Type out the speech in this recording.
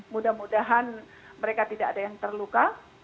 mudah mudahan mereka tidak ada yang terluka